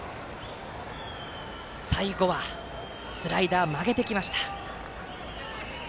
最後はスライダーを曲げてきました。